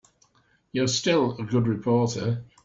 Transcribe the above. You're still a good reporter.